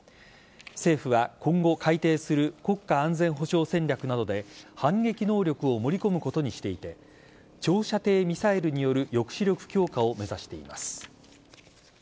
政府は、今後改定する国家安全保障戦略などで反撃能力を盛り込むことにしていて長射程ミサイルによる抑止力強化を目指しています。